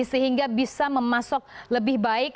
sehingga bisa memasok lebih baik